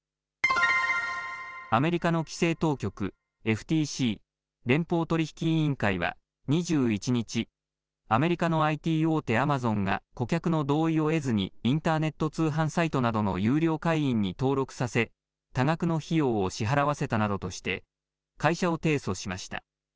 アメリカの規制当局ＦＴＣ連邦取引委員会は、２１日アメリカのＩＴ大手アマゾンが顧客の同意を得ずにインターネット通販サイトなどの有料会員に登録させ多額の費用を支払わせたなどとして会社を提訴しました。